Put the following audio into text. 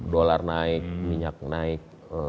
dolar naik minyak naik